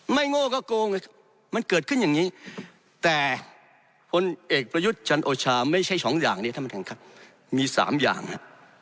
โง่ก็โกงมันเกิดขึ้นอย่างนี้แต่พลเอกประยุทธ์จันโอชาไม่ใช่สองอย่างนี้ท่านประธานครับมี๓อย่างฮะ